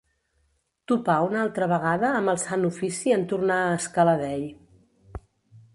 Topà una altra vegada amb el Sant Ofici en tornar a Escaladei.